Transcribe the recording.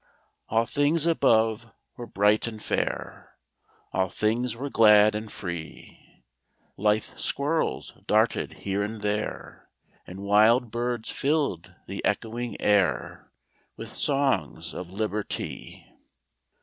All things above were bright and fair, All things were glad and free; Lithe squirrels darted here and there, And wild birds filled the echoing air With songs of Liberty!